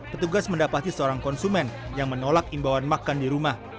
petugas mendapati seorang konsumen yang menolak imbauan makan di rumah